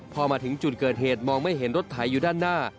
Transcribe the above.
พอมาถึงจุดเกิดเหตุมองไม่เห็นรถไถอยู่ด้านหน้า